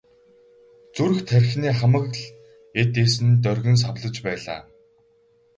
Зүрх тархины хамаг л эд эс нь доргин савлаж байлаа.